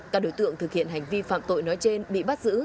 các đối tượng thực hiện hành vi phạm tội nói trên bị bắt giữ